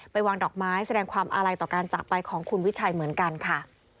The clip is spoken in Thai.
วางดอกไม้แสดงความอาลัยต่อการจากไปของคุณวิชัยเหมือนกันค่ะ